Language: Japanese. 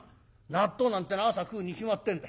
「納豆なんて朝食うに決まってんだ。